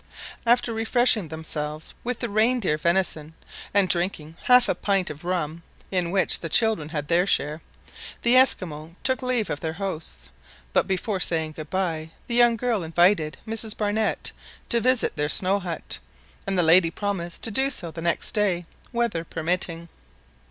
After refreshing themselves with the reindeer venison, and drinking half a pint of rum, in which the children had their share, the Esquimaux took leave of their hosts; but before saying goodbye, the young girl invited Mrs Barnett to visit their snow hut, and the lady promised to do so the next day, weather permitting.